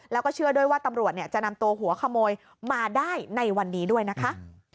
แล้วก็เชื่อด้วยว่าตำรวจจะนำตัวหัวขโมยมาได้ในวันนี้ด้วยนะคะ